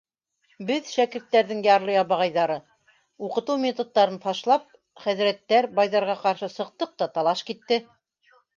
Беҙ, шәкерттәрҙең ярлы-ябағайҙары, уҡытыу методтарын фашлап, хәҙрәттәр, байҙарға ҡаршы сыҡтыҡ та талаш китте.